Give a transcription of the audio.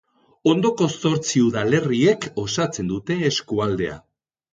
Ondoko zortzi udalerriek osatzen dute eskualdea.